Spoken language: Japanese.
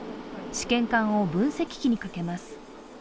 試験管を分析器にかけます。